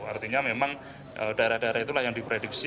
artinya memang daerah daerah itulah yang diprediksi